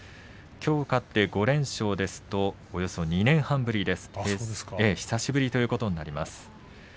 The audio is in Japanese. きょう勝って５連勝ですとおよそ２年半ぶりということになります。